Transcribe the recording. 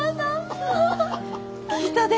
聞いたで。